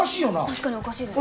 確かにおかしいですね